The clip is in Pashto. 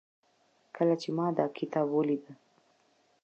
کله چې ما دا کتاب وليده